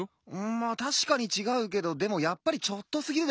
まったしかにちがうけどでもやっぱりちょっとすぎるでしょ。